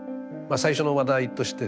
最初の話題としてですね